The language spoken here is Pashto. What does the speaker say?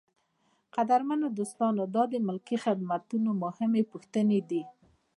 قدرمنو دوستانو دا د ملکي خدمتونو مهمې پوښتنې دي.